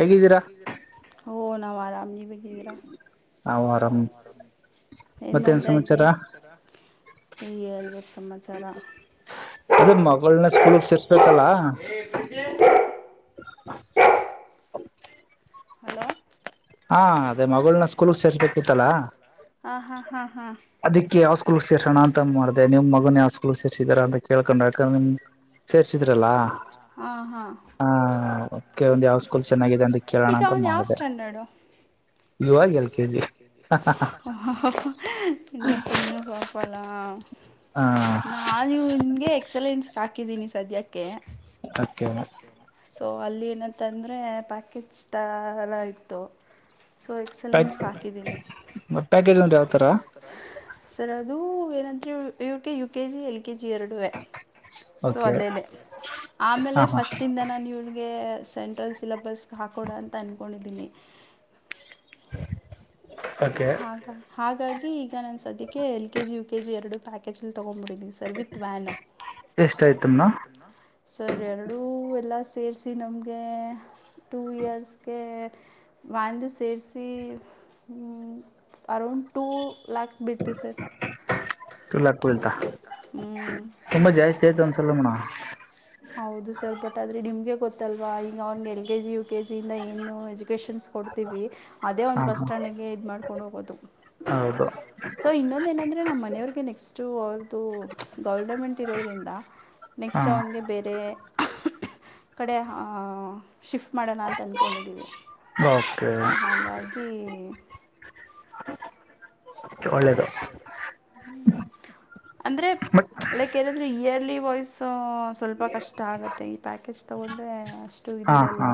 ಹೇಗಿದ್ದೀರಾ. ಹೋ ನಾವು ಆರಾಮ ನೀವು ಹೇಗೆದಿರಾ. [inaudible] ಏನ್ ಮಾಡ್ತಾದ್ರಿ ಹೇಳ್ಬೇಕು ಸಮಾ ಅದೇ ಮಗಳನ್ನ ಸ್ಕೂಲಗೆ ಸೇರ್ಸಬೇಕಲ್ಲ [unintelligible] [inaudible] ಹಲೋ ಹಾ ಅದೇ ಮಗಳನ್ನ ಸ್ಕೂಲ್ಗ್ ಸೇರಿಸಬೇಕಿತ್ತಲ್ಲ. ಆ ಹಾ ಹಾ ಹಾ ಅದಕ್ಕೆ ಯಾವ ಸ್ಕೂಲ ಸೇರ್ಸೋಣ ಅಂತ ಮಾಡ್ದೆ ನಿಮ್ಮ ಮಗನ ಯಾವ್ ಸ್ಕೂಲ್ ಸೇರ್ಸಿದೀರ ಅಂತ ಕೇಳ್ಕೊಂಡ ಹಾಕೋಣ ಅಂತ. ಹ ಹಾ. ಚನ್ನಾಗಿದೆ ಅಂತ ಕೇಳೋಣ ಅಂತ ಮಾಡಿದೆ. [inaudible] ಹಾ ಹಾ ಹಾ ಇನ್ನ ಸಣ್ಣ [unintelligible] ಪಲಾವ್ ಆ [unintelligible] ನಾನ ಇವ್ನಿಗೆ ಎಕ್ಸಿಲೈನ್ಸ್ ಹಾಕಿಗ್ದೀನಿ ಸದ್ಯಕ್ಕೆ ಓಕೆ ಸೊ ಅಲ್ಲಿ ಏನಂತಂದರೆ ಪ್ಯಾಕೆಜ ಸ್ಟಾಲ್ ಇತ್ತು ಸೊ ಪ್ಯಾಕ್ ಮತ್ [unintelligible] ಅಂದ್ರೆ ಯಾವತರಾ ಸರ್ ಅದು ಏನೆಂದರೆ U K U K G L K G ಎರಡುವೇ ಸೊ ಅದೇೇ ಆಮೇಲೆ ಫಸ್ಟಿಂದ ನಾನು ಇವ್ನಿಗೆ ಸೆಂಟ್ರಲ್ ಸಿಲಬಸ್ ಹಾಕೊಡ ಅಂತ ಅನ್ಕೊಂಡಿದೀನಿ [inaudible] ಹಾಗ ಹಾಗಾಗಿ ಈಗ ನನ್ನ ಸದ್ಯಕ್ಕೆ ಎಲ್ ಕೆಜಿ ಯು ಕೆಜಿ ಎರಡು ಪ್ಯಾಕ್ [unintelligible] ತಾಕೊಂಡಬಿಟ್ಟಿದಿನಿ ವಿತ್ ವ್ಯಾನ್ ಸರ್ ಎರಡೂ ಎಲ್ಲ ಸೇರಿಸಿ ನಮಗೆ ಟೂ ಇಯರ್ಸ್ಗೆ ವ್ಯಾನ್ ದು ಸೇರಿಸಿ ಅರೌಂಡ್ ಟೂ ಲ್ಯಾಕ್ ಬಿತ್ತು ಸರ್. ಟೂ ಲಾಕ್ ಬೀಳುತ್ತಾ ಹ್ಮ ತುಂಬಾ ಜಾಸ್ತಿ ಆಯ್ತು ಅನ್ಸಲ್ವಾ ನಿಮಗೆ ಹೌದು ಸರ್ ಬಟ್ ಆದ್ರೆ ನಿಮ್ಗೆ ಗೊತ್ತಲ್ವಾ ಈಗ ಅವ್ನಿಗೆ L K G U K G ಇಂದ ಏನು ಎಜುಕೇಶನ್ ಕೊಡ್ತೀವಿ ಅದೇ ಅವ್ನ ಫಸ್ಟ್ ಸ್ಟಾಂಡಿಗ ಕೊಂಡು ಹೋಗುದು ಸೊ ಇನ್ನೊಂದ ಏನಂದ್ರೆ ನಮ್ಮ್ ಮನೆಯವ್ರಿಗೆ ನೆಕ್ಸ್ಟ್ ಗೌರ್ನಮೆಂಟ್ ಇರೋದರಿಂದ ನೆಕ್ಸ್ಟ್ ಅವನಿಗೆ ಬೇರೆ ಇ ಕಡೆ ಶಿಫ್ಟ್ ಮಾಡೋಣ ಅಂತ ಅಂದ್ಕೊಂಡಿದ್ದೀವಿ ಸೊ ಆಗಾಗಿ [unintelligible] ಒಳ್ಳೆದು ಅಂದ್ರೆ ಲೈಕ್ ಏನಂದ್ರೆ ಇಯರ್ಲಿ ವೈಸ್ ಸ್ವಲ್ಪ ಕಷ್ಟ ಆಗುತ್ತೆ ಈ ಪ್ಯಾಕೇಜ್ ತಗೊಂಡ್ರೆ ಅಷ್ಟ ಹಾ ಹಾ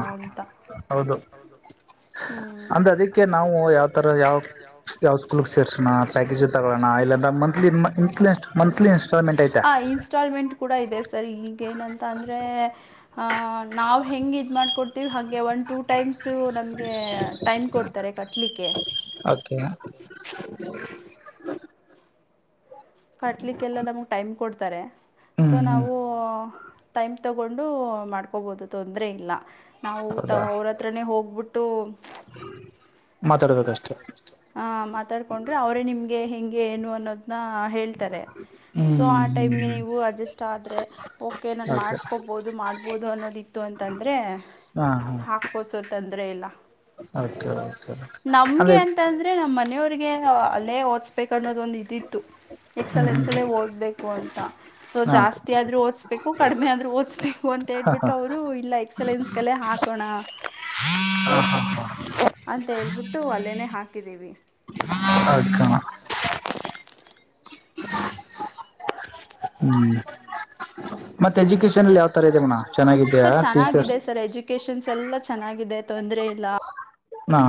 ಹೌದು ಹ್ಮ್ ಅಂದ ಅದಿಕ್ಕೆ ನಾವು ಯಾವ ತರ ಯಾವ ಯಾವ ಕೆಲಸ [unintelligible] [unintelligible] ಇನ್ಸ್ಟಾಲ್ಮೆಂಟ್ ಕೂಡ ಇದೆ ಸರ್ ಈಗೇನಂತ ಅಂದ್ರೆ ನಾವು ಹೆೇಂಗೆ ಇದು ಮಾಡಕೊಡ್ತೀವಿ ಹಾಗೆ ಒನ್ ಟೂ ಟೈಮ್ಸು ನಮಗೆ ಟೈಮ್ ಕೊಡ್ತವಿ ತ್ತರೆ ಕಟ್ಲಿಕ್ಕೆ ಓಕೆ ಯಾ ಕಟ್ಲಿಕ್ಕೆಲ್ಲ ನಮ್ಗೆ ಟೈಮ್ ಕೊಡ್ತಾರೆ ಸೊ ನಾವು ಟೈಮ್ ತೊಗೊಂಡು ಮಾಡ್ಕೊಬೋದು ತೊಂದರೆ ಇಲ್ಲ ನಾವು ತ ಅವ್ರ ಹತ್ರನೇ ಹೋಗ್ಬಿಟ್ಟು [unintelligible] [unintelligible] ಹ ಮಾತಾಡ್ಕೊಂಡ್ರೆ ಅವ್ರೇ ನಿಮ್ಗೆ ಹೆಂಗೆ ಏನು ಅನ್ನೋದ್ನಾ ಹೇಳ್ತಾರೆ ಸೊ ಆ ಟೈಮ್ಗೆ ನೀವು ಅಡ್ಜಸ್ಟ್ ಆದರೆ ಓಕೆ ನಾನು ಮಾಡಿಸ್ಕೊಬೋದು ಅದು ಮಾಡ್ಬೋದು ಅನ್ನೋದಿತ್ತು ಅಂತಂದ್ರೆ ಹಾ ಹಾ ಹೊಸು ತೊಂದರೆ ಇಲ್ಲ [unintelligible] [unintelligible] ನಮಗೆ ಅಂತಂದರೆ ನಮ್ಮ ಮನೆಯವ್ರಿಗೆ ಅಲ್ಲೇ ಓದಿಸ್ಬೇಕುನ್ನೋದ ಒಂದು ಇದಿತ್ತು ಎಕ್ಸಲೆನ್ಸ್ ಅಲ್ಲೆ ಓದ್ಸ್ಬೇಕು ಅಂತ ಸೊ ಜಾಸ್ತಿ ಆದ್ರೂ ಓದಿಸ್ಬೇಕು ಕಡಿಮೆ ಆದ್ರೂ ಓದಿಸ್ಬೇಕು ಅಂತ ಹೇಳ್ಬಿಟ್ಟು ಅವರು ಇಲ್ಲ ಎಕ್ಸಲೆನ್ಸ್ ಕಲೆ ಹಾಕೋಣ ಅಂತ ಹೇಳ್ಬಿಟ್ಟ. ಒಲೆನೇ ಹಾಕಿದ್ದೀವಿ. [unintelligible] ಹ್ಮ್ ಮತ್ತೆ ಎಜುಕೇಶನ್ಲ್ಲಿ ಯಾವ ತರ ಇದೆ ಮೇಡಂ ಚೆನ್ನಾಗಿದಿಯ ಟೀಚರ್ಸ್. ಎಜುಕೇಶನ್ ಎಲ್ಲಾ ಚೆನ್ನಾಗಿದೆ ತೊಂದರೆ ಇಲ್ಲ. ಹಾ.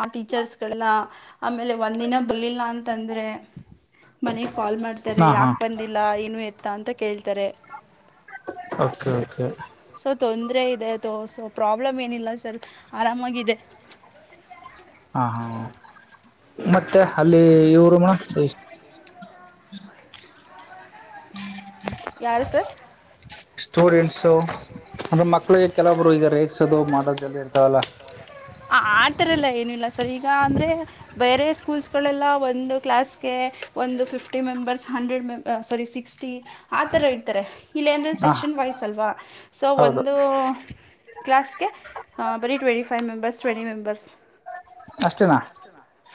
ಆ ಟೀಚರ್ಸ್ಗಳನ್ನ ಆಮೇಲೆ ಒಂದಿನ ಬರ್ಲಿಲ್ಲ ಅಂತಂದ್ರೆ. ಮನೆಗೆ ಕಾಲ್ ಮಾಡ್ತಾರೆ ಯಾಕೆ ಬಂದಿಲ್ಲ ಏನು ಎತ್ತ ಅಂತ ಕೇಳ್ತಾರೆ. ಓಕೆ ಓಕೆ ಸೊ ತೊಂದರೆ ಇದೆ ಸೊ ಪ್ರಾಬ್ಲಮ್ ಏನಿಲ್ಲ ಸರ್ ಆರಾಮಾಗಿದೆ. ಹಾ ಹಾ ಮತ್ತೆ ಅಲ್ಲಿ ಇವ್ರು ಮೇಡಂ. ಯಾರು ಸರ್. ಸ್ಟೂಡೆಂಟ್ಸು ಅಂದ್ರೆ ಮಕ್ಳಿಗೆ ಕೆಲೊಬ್ರು ಈಗ ರೇಗಿಸೋದು ಮಾಡೋದು ಎಲ್ಲ ಇರ್ತಾವಲ್ಲ. ಆತರ ಏನಿಲ್ಲ ಸರ್ ಈಗ ಅಂದ್ರೆ. ಬೇರೆ ಸ್ಕೂಲ್ಸ್ ಗಳೆಲ್ಲ ಒಂದು ಕ್ಲಾಸ್ಗೆ. ಒಂದು ಫಿಫ್ಟಿ ಮೆಂಬರ್ಸ್ ಹಂಡ್ರೆಡ್ ಮೆ ಸಾರಿ ಸಿಕ್ಸ್ಟಿ. ಆತರ ಇಡ್ತಾರೆ ಇಲ್ಲ ಅಂದರೆ ಸೆಕ್ಷನ್ ವೈಸ್ ಅಲ್ವಾ ಸೊ ಒಂದು. ಕ್ಲಾಸ್ಗೆ ಹಾ ಬರಿ twenty five members twenty members. ಅಷ್ಟೇನಾ.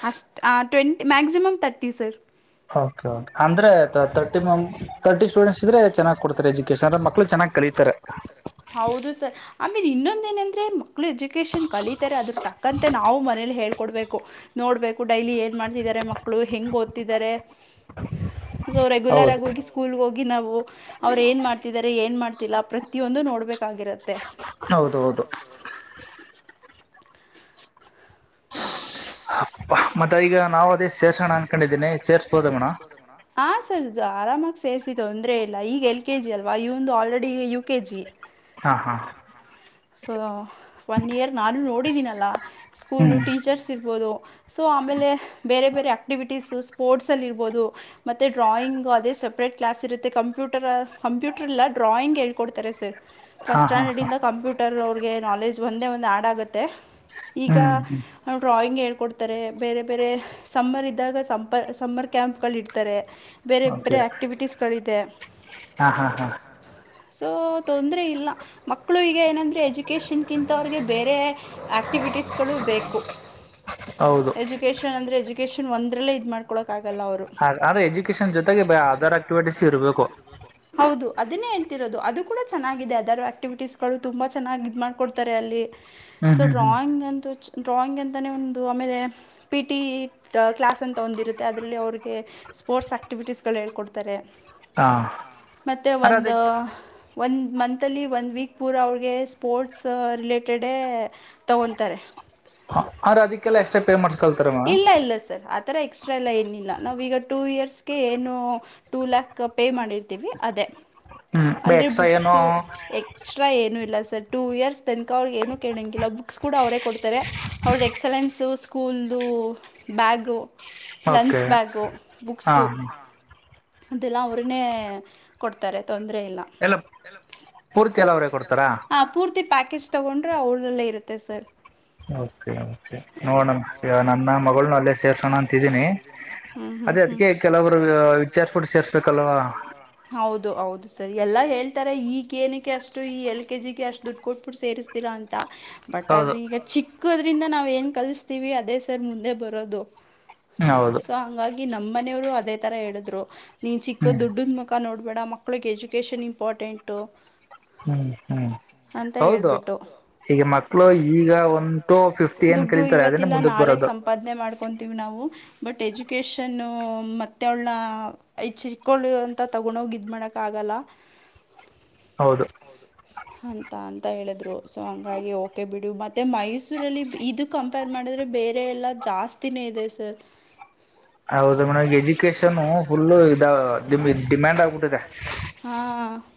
ಅಷ್ಟ twenty maximum thirty sir. Okay okay ಅಂದ್ರೆ ತರ್ಟಿ ತರ್ಟಿ ಸ್ಟೂಡೆಂಟ್ಸ್. ಇದ್ರೆ ಚೆನ್ನಾಗಿ ಕೊಡ್ತಾರೆ ಎಜುಕೇಶನ್ ಮಕ್ಳು ಚೆನ್ನಾಗಿ ಕಲಿತಾರೆ. ಹೌದು ಸರ್. ಆಮೇಲೆ ಇನ್ನೊಂದ ಏನಂದ್ರೆ ಮಕ್ಳು ಎಜುಕೇೇಶನ್ ಕಲೀತಾರೆ ಅದ್ರ ತಕ್ಕಂತೆ ನಾವು ಮನೇಲಿ ಹೇಳ್ಕೊಡ್ಬೇಕು ನೋಡ್ಬೇಕು ಡೈಲಿ ಏನ್ ಮಾಡ್ತಿದಿದ್ದಾರೆ ಮಕ್ಕಳು ಹೆಂಗ್ ಓದ್ತಿದ್ದಾರೆ. [inaudible] ಸೊ ರೆಗ್ಯುಲರ್ ಆಗಿ ಹೋಗಿ ಸ್ಕೂಲ್ಗೆ ಹೋಗಿ ನಾವು. ಅವ್ರು ಏನ್ ಮಾಡ್ತಿದಿದ್ದಾರೆ ಏನ್ ಮಾಡ್ತಿಲ್ಲ ಪ್ರತಿಯೊಂದು ನೋಡ್ಬೇಕಾಗಿರುತ್ತೆ. ಹೌದು ಹೌದು. ಮತ್ತೆ ಈಗ ನಾವು ಅದೇ ಸೇರ್ಸೋಣ ಅನ್ಕೊಂಡಿದ್ದೀನಿ ಸೇರ್ಸ್ಬೋದ ಮೇಡಂ. ಹಾ ಸರ್ ಆರಾಮಾಗಿ ಸೇರ್ಸಿ ತೊಂದ್ರೆ ಇಲ್ಲ ಈಗ ಎಲ್ ಕೆ ಜಿ ಅಲ್ವಾ ಈ ಆಲ್ರೆಡಿ ಯು ಕೆ ಜಿ. ಹಾ ಹಾ ಸೊ ಒನ್ ಇಯರ್ ನಾನು ನೋಡಿದೀನಲ್ಲ ಸ್ಕೂಲ್ ಟೀಚರ್ಸ್ ಇರ್ತ. ಇರ್ಬಹದು ಸೊ ಆಮೇಲೆ ಬೇರೆ ಬೇರೆ ಆಕ್ಟಿವಿಟೀಸ್ ಸ್ಪೋರ್ಟ್ಸ್ ಅಲ್ಲಿ ಇರ್ಬೋದು. ಮತ್ತೆ ಡ್ರಾಯಿಂಗ್ ಅದೇ ಸಪ್ರೇಟ್ ಕ್ಲಾಸ್ರುತ್ತೆ ಕಂಪ್ಯೂಟರ್ ಕಂಪ್ಯೂಟರ್ ಇಲ್ಲ ಡ್ರಾಯಿಂಗ್ ಹೇಳ. ಕೊಡ್ತಾರೆ ಸರ್ ಫಸ್ಟ್ ಸ್ಟ್ಯಾಂಡರ್ಡ್ ಇಂದ ಕಂಪ್ಯೂಟರ್. ಅವ್ರಿಗೆ ನಾಲೆಜ್ ಒಂದೇ ಒಂದು ಆ್ಯಡ್ ಆಗುತ್ತೆ ಈಗ ಡ್ರಾಯಿಂಗ್ ಹೇಳಿಕೊಡ್ತಿ. ಬೇರೆ ಬೇರೆ ಸಮ್ಮರ್ ಇದ್ದಾಗ ಸಂಪರ್ ಸಮ್ಮರ್ ಕ್ಯಾಂಪ್ ಗಳು ಇಡ್ತಾರೆ. ಬೇರೆ ಬೇರೆ ಆ್ಯಕ್ಟಿವಿಟೀಸ್ಗಳಿದೆ. ಹಾ ಹಾ ಹಾ ಸೊ ತೊಂದರೆ ಇಲ್ಲ. ಮಕ್ಕಳು ಈಗ ಏನಂದರೆ ಎಜುಕೇಷನ್ಗಿಂತ ಅವ್ರಿಗೆ ಬೇರೆ ಆಕ್ಟಿವಿಟೀಸ್ಗಳು ಬೇಕು. ಎಜುಕೇಷನ್ ಅಂದ್ರೆ ಎಜುಕೇಷನ್ ಒಂದ್ರಲ್ಲೇ ಇದ ಮಾಡ. ಕೊಳೋಕ್ಕೆ ಆಗಲ್ಲ ಅವ್ರು. ಹೌದು ಅದನ್ನೇ ಹೇಳ್ತಿರೋದು ಅದು ಕೂಡ ಚೆನ್ನಾಗಿದೆ ಅಥೇರ್ ಆ್ಯಕ್ಟಿವಿಟೀಸ್ಗಳು ತುಂಬಾ ಚೆನ್ನಾಗಿ ಇದು ಮಾಡಕೊಡ್ತಾರೆ ಅಲ್ಲಿ. ಶೋ ಡ್ರಾಯಿಂಗ್ ಅಂತೂ ಡ್ರಾಯಿಂಗ್ ಅಂತಾನೇ ಒಂದು ಆಮೇಲೆ ಪಿ ಟಿ ಕ್ಲಾಸ ಅಂತ ಹೊಂದಿರುತ್ತೆ. ಅದರಲ್ಲಿ ಅವ್ರಿಗೆ ಸ್ಪೋರ್ಟ್ಸ್ ಆಕ್ಟಿವಿಟೀಸ್ಗಳು ಹೇಳ್ಕೊಡ್ತಾರೆ ಮತ್ತೆ ಒಂದು ಒಂದು ಮಂತಲ್ಲಿ ಒಂದು ವೀಕ್ ಪೂರ ಅವ್ರಿಗೆ ಸ್ಪೋರ್ಟ್ಸ್ ರಿಲೇಟೆಡೇ ತಗೊಂತಾರೆ? ಆರ ಅಧಿಕ ಇಲ್ಲ ಇಲ್ಲ ಸರ್ ಆ ಥರ ಎಕ್ಸ್ಟ್ರಾ ಎಲ್ಲ ಏನಿಲ್ಲ ನಾವೀಗ ಟೂ ಇಯರ್ಸ್ಗೆ ಏನು ಟು ಲ್ಯಾಕ್ ಪೇ ಮಾಡಿರ್ತೀವಿ ಅದೇ ಅಂದರೆ ಬುಕ್ಸು ಎ ಎಕ್ಸ್ಟ್ರಾ ಏನು ಇಲ್ಲ ಸರ್ ಟು ಇಯರ್ಸ್ ತನಕ ಅವ್ರಗ ಏನು ಕೇಳೋಂಗಿಲ್ಲ ಬುಕ್ಸ್ ಕೂಡ ಅವರೇ ಕೊಡ್ತಾರೆ. ಅವಳ್ದ್ ಎಕ್ಸಲೆನ್ಸ ಸ್ಕೂಲ್ದು ಬ್ಯಾಗು ಲಂಚ್ ಬ್ಯಾಗು ಬುಕ್ಸು ಅದೆಲ್ಲ ಅವ್ರನ್ನೇ ಕೊಡ್ತಾರೆ ತೊಂದರೆ ಇಲ್ಲ ಹಾ ಪೂರ್ತಿ ಪ್ಯಾಕೇಜ್ ತೊಗೊಂಡ್ರೆ ಅವಳದಲ್ಲೇ ಇರುತ್ತೆ ಸರ್ ಓಕೆ ಓಕೆ ನೋಡಣ ನನ್ನ ಮಗಳನು ಅಲ್ಲೇ ಸೇರ್ಸೋಣ ಅಂತಿದ್ದೀನಿ. ಹ್ಮ್ ಹ್ಮ್ ಹ್ಮ್ ಅದೇ ಅದಕ್ಕೆ ಕೆಲವರು ವಿಚಾರಸ್ಪಟ್ಟ ರ್ಸ್ಬೇಕಲ್ವಾ ಹೌದು ಹೌದು ಸರಿ ಎಲ್ಲಾ ಹೇಳ್ತಾರೆ ಈಗಏನಕ್ಕೆ ಅಷ್ಟು ಈ ಎಲ್ ಕೆ ಜಿಗೆ ಅಷ್ಟು ದುಡ್ಡು ಕೊಟ್ಬಿಟ್ಟು ಸೇರಿಸ್ತೀರಾ ಅಂತ ಅಂತ ಬಟ್ ಆದ್ರೆ ಈಗ ಚಿಕ್ಕೋದ್ರಿಂದ ನಾವು ಏನು ಕಲಿಸ್ತೀವಿ ಅದೇ ಸರ್ ಮುಂದೆ ಬರೋದು ಶೋ ಹಂಗಾಗಿ ನಮ್ಮ್ ಮನೆಯವರು ಅದೇ ತರ ಹೇಳಿದ್ರು ನೀನ್ ಚಿಕ್ಕ ದುಡ್ಡದ್ ಮುಖ ಮುಖ ನೋಡ್ಬೇಡ ಮಕ್ಳಿಗೆ ಎಜುಕೇಷನ್ ಇಂಪಾರ್ಟೆಂಟು. ಹ್ಮ್ ಹ್ಮ್ ಹೌದು ಈಗ ಮಕ್ಕಳು ಈಗ ಒಂನ್ ಟು ಫಿಫ್ಟ ಏನ್ ಕರೀತಾರೆ ಅದನ್ನೆ ಮುಂದಕ್ ಬರೋದು ಅದೇ ಮಾಡ್ಕೊತೀವಿ ನಾವು ಬಟ್ ಎಜುಕೇಷನ್ ಮತ್ತೆ ಅವಳ್ನ ಆ ಚಿಕ್ಕೊಳ್ಳ ಅಂತ ತಗೊಂಡೋಗ್ ಇದ್ ಮಾಡಕ್ ಆಗಲ್ಲ ಹೌದು ಅಂತ ಅಂತ ಹೇಳಿದ್ರು ಶೋ ಹಂಗಾಗಿ ಓಕೆ ಬಿಡು ಮತ್ತೆ ಮೈಸೂರಲ್ಲಿ ಇದು ಕಂಪೇರ್ ಮಾಡಿದ್ರೆ ಬೇರೆ ಎಲ್ಲ ಜಾಸ್ತಿನೇ ಇದೆ ಸರ್. ಹೌದು ಮೇಡಮ್ ಈಗ ಎಜುಕೇಶನ್ ಫುಲ್ಲ ಇದ್ ಡಿಮ್ಯಾಂಡ್ ಆಗ್ಬಿಟ್ಟಿದೆ ಹಾ...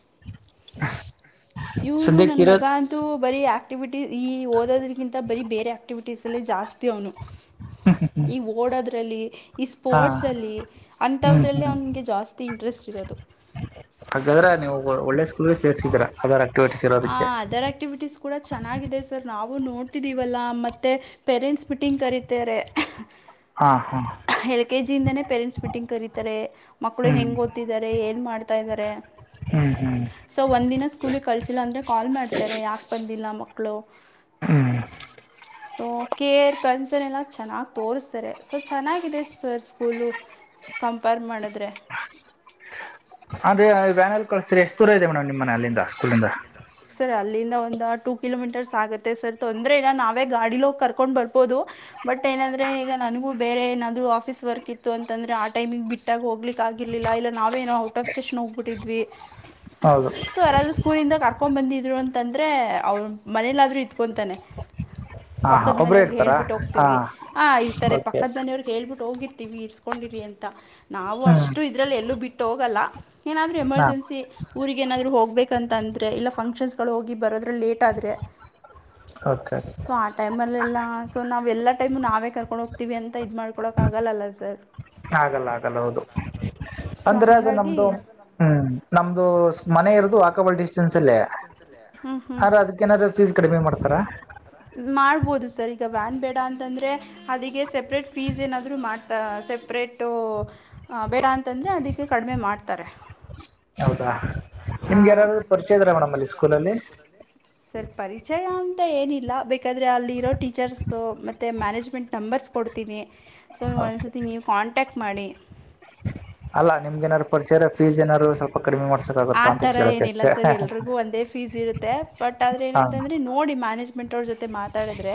ಇವನು ನನ್ ಮಗ ಅಂತ ತು ಇದು ಬರೀ ಆಕ್ಟಿವಿಟೀ ಈ ಓದೋದ್ರಗಿಂತ ಬರೀ ಬೇರೆ ಆಕ್ಟಿವಿಟೀಸ್ ಅಲ್ಲಿ ಜಾಸ್ತಿ ಅವ್ನು ಈ ಓಡೋದ್ರಲ್ಲಿ. ಈ ಸ್ಪೋರ್ಟ್ಸಲ್ಲಿ ಅಂಥವದ್ರಲ್ಲೇ ಅವನಿಗೆ ಜಾಸ್ತಿ ಇಂಟ್ರೆಸ್ಟ್ ಇರೋದು ಹಾಗಾದ್ರೆ ನೀವು ಒಳ್ ಒಳ್ಳೆ ಸ್ಕೂಲ್ಗೆ ಸೇರ್ಸಿದ್ರ ಅದರ ಆ ಅದರ್ ಆಕ್ಟಿವಿಟೀಸ್ ಕೂಡ ಚೆನ್ನಾಗಿದೆ ಸರ್ ನಾವು ನೋಡ್ತಿದ್ದೀವಲ್ಲ ಮತ್ತೆ ಮತ್ತೆ ಪೆರೆಂಟ್ಸ್ ಮೀಟಿಂಗ್ ಕರೀತಾರೆ ಕೆ. ಜಿ. ಯಿಂದನೇ ಪೇರೆಂಟ್ಸ್ ಮೀಟಿಂಗ್ ಕರೀತಾರೆ ಮಕ್ಕಳು ಹೆಂಗೆ ಓದ್ತಿದ್ದಾರೆ ಏನ್ ಮಾಡ್ತಾ ಇದಾರೆ ಹ್ಮ್ ಹ್ಮ್ ಶೋ ಒಂದಿನ ಸ್ಕೂಲಿಗೆ ಕಳಿಸಿಲ್ಲ ಅಂದರೆ ಕಾಲ್ ಮಾಡ್ತಾರೆ ಯಾಕೆ ಬಂದಿಲ್ಲ ಮಕ್ಕಳು ಹ [inaudible] ಶೋ ಕೇರ್ ಕನ್ಸರ್ನ್ ಎಲ್ಲ ಚೆನ್ನಾಗಿ ತೋರಿಸ್ತಾರೆ ಶೋ ಚೆನ್ನಾಗಿದೆ ಸರ್ ಸ್ಕೂಲು ಕಂಪೇರ್ ಮಾಡಿದ್ರೆ. ಅದ್ರೆ ವ್ಯಾನೆಲ್ ಕಳಸ್ರೆ. ಎಷ್ಟ ದೂರ ಇದೆ ಮೇಡಮ್ ನಿಮ್ಮ ಮನೇ ಅಲ್ಲಿಂದ ಸ್ಕೂಲಿಂದ ಸರ್ ಅಲ್ಲಿಂದ ಒಂದು ಟೂ ಕಿಲೋಮೀಟರ್ಸ್ ಆಗುತ್ತೆ ಸರ್ ತೊಂದರೆ ಇಲ್ಲಾ ನಾವೇ ಗಾಡಿಯಲ್ಲಿ ಹೋಗಿ ಕರ್ಕೊಂಡು ಬರ್ಬೋದು ಬಟ್ ಏನಂದ್ರೆ ಈಗ ನನಗೂ ಬೇರೆ ಏನಾದ್ರು ಆಫೀಸ್ ವರ್ಕ್ ಇತ್ತು ಅಂತಂದ್ರೆ ಆ ಟೈಮಿಗೆ ಬಿಟ್ಟು ಗ ಹೋಗ್ಲಿಕ್ಕ ಆಗಿರ್ಲಿಲ್ಲಾ ಇಲ್ಲ ನಾವೇ ಔಟ್ ಆಫ್ ಸೆಷನ್ಸ್ ಹೋಗ್ಬಿಟ್ಟಿದ್ವಿ. ಹೌದು ಸೊ ಯಾರಾದ್ರರು ಸ್ಕೂಲಿಂದ ಕರ್ಕೊಂಡ ಬಂದಿದ್ರು ಅಂತಂದ್ರೆ ಅವ್ರ ಮನೇಲಾದ್ರು ಇತ್ಕೊಂತಾನೆ [inaudible] ಪಕ್ಕದ ಮನೆಯವ್ರಗೆ ಹೇಳ್ ಬಿಟ್ಟ ಹೋಗ್ತತಿವಿ ಆ ಇತಾರೆ ಪಕ್ಕದ ಮನೆಯವ್ರಿಗೆ ಹೇಳ್ ಬಿಟ್ಟ ಹೋಗಿರ್ತೀವಿ ಇರಸಕೋಂಡ ಇರೀ ಅಂತ ನಾವು ಅಷ್ಟು ಇದ್ರಲ್ಲಿ ಎಲ್ಲೂ ಬಿಟ್ಟು ಹೋಗಲ್ಲಾ ಏನಾದೂ ಎಮರ್ಜನ್ಸಿ ಊರಗೇ ಏನಾದ್ರು ಹೋಗಬೇಕಂತ ಅಂದ್ರೆ ಇಲ್ಲ ಫಂಕ್ಷನ್ಸ್ ಗಳು ಹೋಗಿ ಬರೋದ್ರ ಲೇಟ್ ಆದ್ರೆ. ಓಕೆ, ಓಕೆ ಸೊ ಆ ಟೈಮಲ್ಲೆಲ್ಲಾ ಸೊ ನಾವೆಲ್ಲ ಟೈಮ್ ನಾವೇ ಕರ್ಕೊಂಡು ಹೋಗ್ತೀವಿ ಅಂತ ಇದು ಮಾಡ್ಕೊಡಕ್ ಆಗಲ್ ಅಲ್ಲಾ ಸರ್. ಆಗಲ್ಲ ಆಗಲ್ಲ ಹೌದು ಅಂದ್ರೆ ಅದು ನಮ್ದು ಹ್ಮ ನಮ್ದು ಮನೆ ಇರೋದು ವಾಕಬಲ್ ಡಿಸ್ಟೆನ್ಸ್ ಅಲ್ಲೇ ಆದ್ರೆ ಅದಕ್ಕ ಎನಾದಾರ ಪೀಸ್ ಕಡಿಮೆ ಮಾಡ್ತಾರಾ ಮಾಡ್ಬೋದು ಸರ್ ಈಗ ವ್ಯಾನ್ ಬೇಡಾ ಅಂತಂದರೆ ಅದಿಗೆ ಸೆಪ್ರೇಟ್ ಫೀಸ್ ಏನಾದ್ರರು ಮಾಡ್ತಾ ಸೆಪ್ರೇಟು ಹ ಬೇಡಾ ಅಂತಂದ್ರೆ ಅದಕ್ಕೆ ಕಡಿಮೆ ಮಾಡ್ತಾರೆ. ನಿಮ್ಗೆ ಯಾರದರು ಪರಿಚಯ ಇದ್ರಾ ಮೇಡಮ್ ಅಲ್ಲಿ ಸ್ಕೂಲ ಅಲ್ಲಿ ಸರ್ ಪರಿಚಯ ಅಂತ ಏನಿಲ್ಲಾ ಬೇಕಾದರೆ ಅಲ್ಲಿರೋ ಟೀಚರ್ಸು ಮತ್ತು ಮ್ಯಾನೇಜ್ಮೆಂಟ್ ನಂಬರ್ಸ್ ಕೊಡ್ತೀನಿ ಸೊ ಒಂದ್ ಸರ್ತಿ ನೀವು ಕಾಂಟ್ಯಾಕ್ಟ್ ಮಾಡಿ. ಅಲ್ಲಾ ನಿಮ್ಗೆಏನಾರರು ಪರಿಚಯ ಇರ ಫೀಸ್ ಎನಾರ್ ಆ ತರಾ ಏನಿಲ್ಲ ಸರ್ ಎಲ್ರಿಗೂ ಒಂದೇ ಫೀಸ್ ಇರುತ್ತೆ ಬಟ್ ಆದ್ರೆ ಏನಂತಂದ್ರೆ ನೋಡಿ ಮ್ಯಾನೇಜ್ಮೆಂಟ್ ಅವ್ರ ಜೊತೆ ಮಾತಾಡಿದ್ರೆ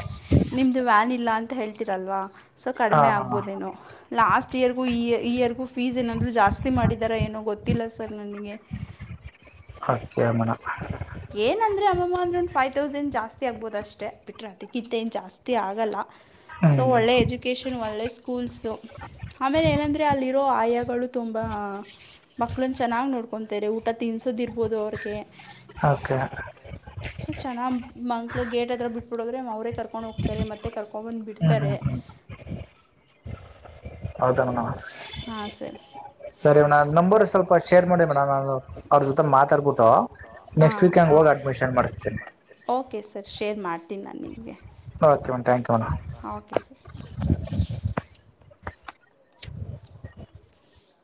ನಿಮ್ದು ವ್ಯಾನ್ ಇಲ್ಲ ಅಂತ ಹೇಳ್ತೀರಲ್ವಾ. ಸೊ ಕಡಿಮೆ ಆಗ್ಬೋದೇನೋ ಲಾಸ್ಟ್ ಇಯರಗೂ ಇಯರಗೂ ಫೀಸ್ ಏನಾದ್ರು ಜಾಸ್ತಿ ಮಾಡಿದಾರ ಏನೋ ಗೊತ್ತಿಲ್ಲಾ ಸರ್. ನನಿಗೆ ಓಕೆಯ ಮೇಡಂ ಏನಂದರೆ ಅಮ್ಮಮ್ಮ ಅಂದ್ರ ಒಂದು ಫೈವ್ ತೌಸಂಡ್ ಜಾಸ್ತಿ ಆಗ್ಬೋದು ಅಷ್ಟೆ ಬಿಟ್ರೆೆ ಅದಕ್ಕಿಂತ ಏನು ಜಾಸ್ತಿ ಆಗಲ್ಲಾ. ಸೊ ಒಳ್ಳೆ ಎಜುಕೇಷನ್ ಒಳ್ಳೆ ಸ್ಕೂಲ್ಸ ಆಮೇಲೆ ಏನಂದ್ರೆ ಅಲ್ಲಿರೋ ಆಯಗಳು ತುಂಬಾ ಮಕಳ್ಳದ ಚೆನ್ನಾಗಿ ನೋಡ್ಕೊತಾರೆ ಊಟ ತಿನ್ಸೋದಿರ್ಬೋದು ಅವ್ರಿಗೆ ಓಕೆ. ಸೊ ಚೆನ್ನಾಗಿ ಮಕ್ಕಳು ಗೇಟ್ ಹತ್ರ ಬಿಟ್ಬಿಡೋದ್ರೆ ಅವರೇ ಕರ್ಕೊಂಡು ಹೋಗ್ತಾರೆ ಮತ್ತೆ ಕರ್ಕೊಂಡಂಬಂದು ಬಿಡ್ತಾರೆ. ಹೌದಾ ಮೇಡಂ. ಸರಿ ಮೇಡಂ ನಂಬರ್ ಸ್ವಲ್ಪ ಶೇರ್ ಮಾಡಿ ಮೇಡಮ್ ನಾನ ಅವ್ರ ಜೊತೆ ಮಾತಾಡ್ಬಿಟ್ಟು ನೆಕ್ಸ್ಟ್ ವೀಕ್ ಹಂಗ್ ಹೋಗಿ ಅಡ್ಮಿನ್ ಮಾಡಿಸ್ತನಿ. ಓಕೆ ಸರ್ ಶೇರ್ ಮಾಡ್ತೀನಿ ನಾ ನಿಮಗೆ. Okay madam thank you madam. Okay sir.